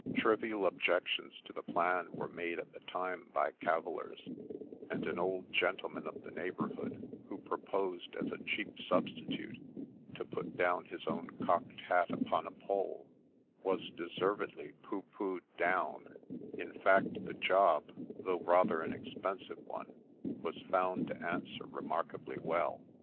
Trivial objections to the plan were made at the time by cavillers ; and an old gentleman of the neighbourhood, who proposed as a cheap substitute, to put down his own cocked hat upon a pole, was deservedly pooh pooh'd down ; in fact, the job, though rather an expensive one, was found to answer remarkably well.